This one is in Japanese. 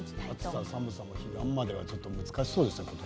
暑さ、寒さも彼岸までが難しそうだね。